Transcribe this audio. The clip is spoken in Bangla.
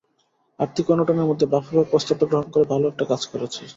আর্থিক অনটনের মধ্যে বাফুফে প্রস্তাবটা গ্রহণ করে ভালো একটা কাজ করেছে।